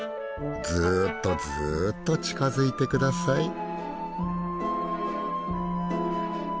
ずっとずっと近づいてください。